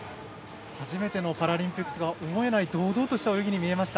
初めてのパラリンピックとは思えない堂々とした泳ぎに見えました。